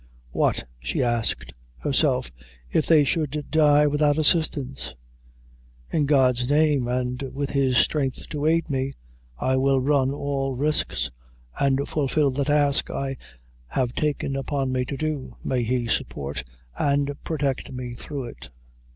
"What," she asked herself, "if they should die without assistance? In God's name, and with his strength to aid me, I will run all risks, and fulfil the task I have taken upon me to do. May he support and protect me through it."